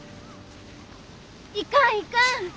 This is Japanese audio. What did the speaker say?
いかんいかん。